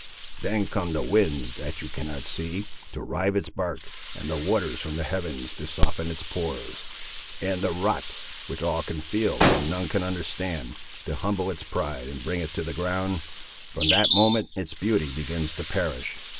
Then come the winds, that you cannot see, to rive its bark; and the waters from the heavens, to soften its pores; and the rot, which all can feel and none can understand, to humble its pride and bring it to the ground. From that moment its beauty begins to perish.